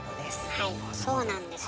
はいそうなんです。